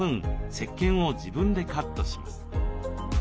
石けんを自分でカットします。